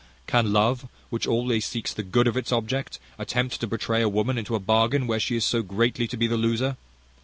Can love, which always seeks the good of its object, attempt to betray a woman into a bargain where she is so greatly to be the loser?